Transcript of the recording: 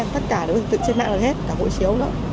tất cả đều được thực hiện trên mạng được hết cả hội chiếu đó